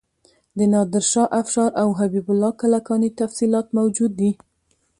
د نادر شاه افشار او حبیب الله کلکاني تفصیلات موجود دي.